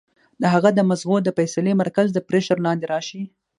د هغه د مزغو د فېصلې مرکز د پرېشر لاندې راشي